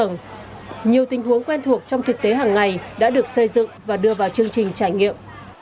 nhiều tình huống quen thuộc trong thực tế hàng ngày đã được xây dựng và đưa vào chương trình trải nghiệm